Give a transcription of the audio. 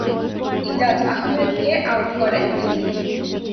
ইজাজ আহমেদকে আউট করেন তিনি।